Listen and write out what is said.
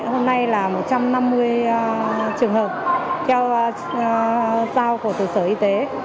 hôm nay là một trăm năm mươi trường hợp theo giao của từ sở y tế